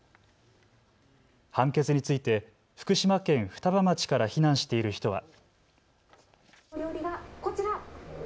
判決について、福島県双葉町から避難している人は。